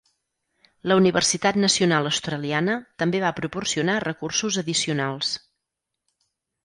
La Universitat Nacional Australiana també va proporcionar recursos addicionals.